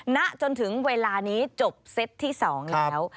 ณจนถึงเวลานี้จบเซตที่๒แล้ว